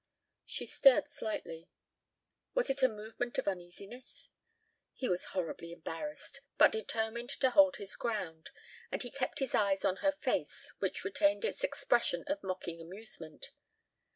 She stirred slightly. Was it a movement of uneasiness? He was horribly embarrassed, but determined to hold his ground, and he kept his eyes on her face, which retained its expression of mocking amusement.